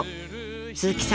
鈴木さん